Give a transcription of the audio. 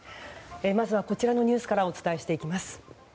まずこちらのニュースからお伝えします。